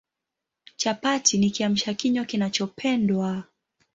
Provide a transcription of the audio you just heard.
Chapati ni Kiamsha kinywa kinachopendwa